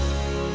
di bilik mereka